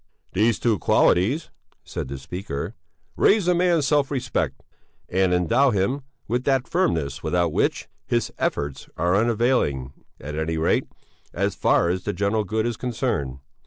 "These two qualities," said the speaker, "raise a man's self respect and endow him with that firmness without which his efforts are unavailing, at any rate as far as the general good is concerned.